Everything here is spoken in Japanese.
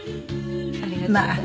ありがとうございます。